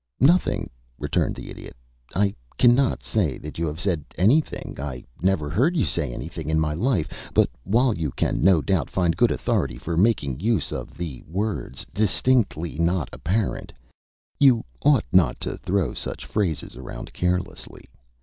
"Nothing," returned the Idiot. "I cannot say that you have said anything. I never heard you say anything in my life; but while you can no doubt find good authority for making use of the words 'distinctly not apparent,' you ought not to throw such phrases around carelessly.